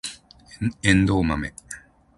エンドウマメ